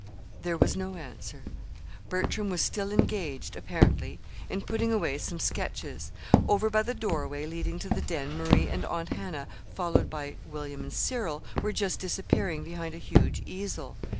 There was no answer. Bertram was still engaged, apparently, in putting away some sketches. Over by the doorway leading to the den Marie and Aunt Hannah, followed by William and Cyril, were just disappearing behind a huge easel.